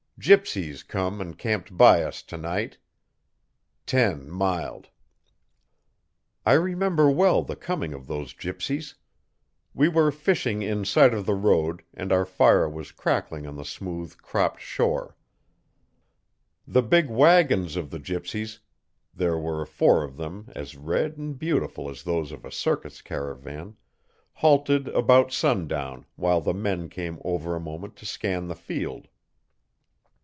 Gypsies come an' camped by us tonight. 10 mild. I remember well the coming of those gypsies. We were fishing in sight of the road and our fire was crackling on the smooth cropped shore. The big wagons of the gypsies there were four of them as red and beautiful as those of a circus caravan halted about sundown while the men came over a moment to scan the field.